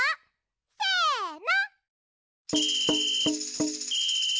せの！